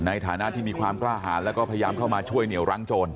ในฐานะที่มีความกล้าหารแล้วก็พยายามเข้ามาช่วยเหนียวรั้งโจร